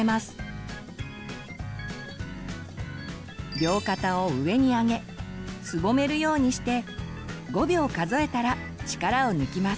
両肩を上にあげすぼめるようにして５秒数えたら力を抜きます。